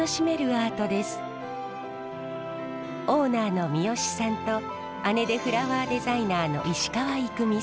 オーナーの三好さんと姉でフラワーデザイナーの石川郁美さん。